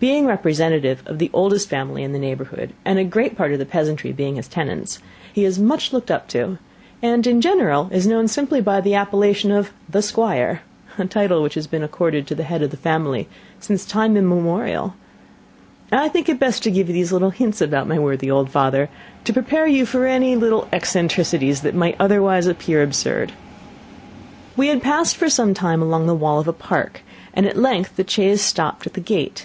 Being representative of the oldest family in the neighbourhood, and a great part of the peasantry being his tenants, he is much looked up to, and, in general, is known simply by the appellation of 'The Squire;' a title which has been accorded to the head of the family since time immemorial. I think it best to give you these hints about my worthy old father, to prepare you for any little eccentricities that might otherwise appear absurd." * Peacham's "Complete Gentleman," 1622. We had passed for some time along the wall of a park, and at length the chaise stopped at the gate.